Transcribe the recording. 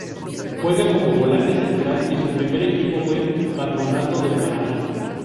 Juega como volante central y su primer equipo fue Patronato de Paraná.